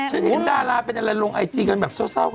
ชะเย็นด้าลาเป็นอะไรลงไอจีกันแบบเช่า